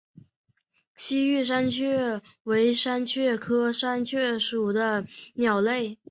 西域山雀为山雀科山雀属的鸟类。